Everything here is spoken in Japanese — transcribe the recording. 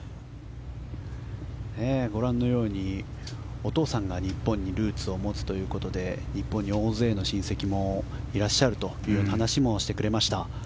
お父さんが日本にルーツを持つということで日本に大勢の親戚もいらっしゃるという話もしてくれました。